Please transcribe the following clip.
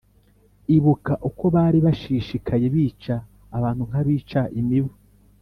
Ibuka uko bari bashishikaye Bica abantu nk’abica imibu